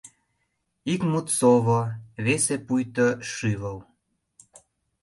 Ик мут — сово, весе — пуйто шӱвыл…